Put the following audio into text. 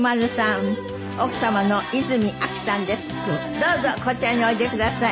どうぞこちらにおいでください。